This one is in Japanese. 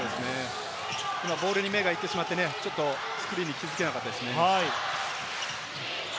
今ボールに目がいってしまって、スピンに気付なかったですね。